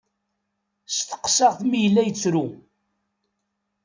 Steqsaɣ-t mi yella yettru.